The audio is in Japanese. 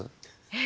え